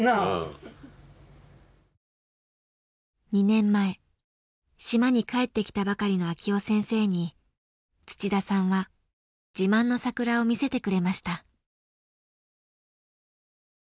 ２年前島に帰ってきたばかりの晃生先生に土田さんは自慢の桜を見せてくれました。